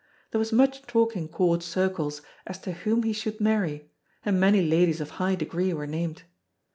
There was much talk in Court circles as to whom he should marry and many ladies of high degree were named.